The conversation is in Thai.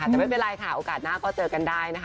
แต่ไม่เป็นไรออกาศหน้าเจอกันได้